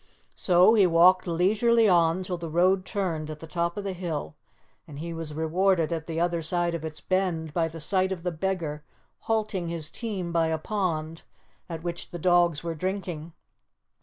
So he walked leisurely on till the road turned at the top of the hill, and he was rewarded at the other side of its bend by the sight of the beggar halting his team by a pond at which the dogs were drinking.